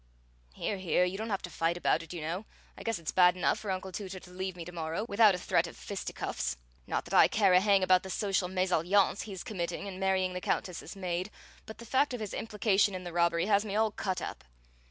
"Here, here! You don't have to fight about it, you know. I guess it's bad enough for Uncle Tooter to leave me to morrow, without a threat of fisticuffs. Not that I care a hang about the social mésalliance he's committing in marrying the Countess's maid, but the fact of his implication in the robbery has me all cut up."